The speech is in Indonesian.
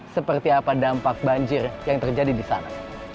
seperti apa dampak banjir yang terjadi di sana